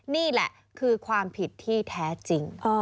นี่แหละคือความผิดที่แท้จริง